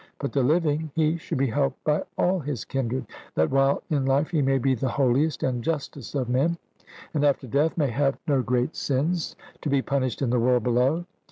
But the living he should be helped by all his kindred, that while in life he may be the holiest and justest of men, and after death may have no great sins to be punished in the world below.